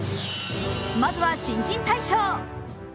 まずは新人大賞。